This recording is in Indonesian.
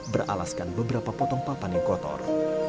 beralaskan beberapa potong papan yang kotor